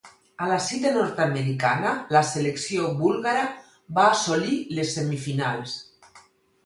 A la cita nord-americana, la selecció búlgara va assolir les semifinals.